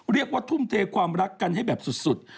เรียกว่าทุ่มเทความรักกันให้แบบสุด